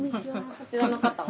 こちらの方は？